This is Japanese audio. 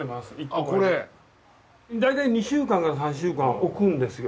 大体２週間から３週間置くんですよ。